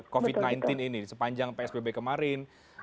covid sembilan belas ini sepanjang psbb kemarin